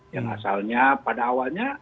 yang asalnya pada awalnya